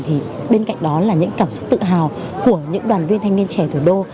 thì bên cạnh đó là những cảm xúc tự hào của những đoàn viên thanh niên trẻ thủ đô